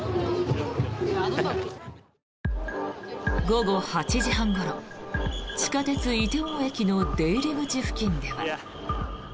午後８時半ごろ地下鉄梨泰院駅の出入り口付近では。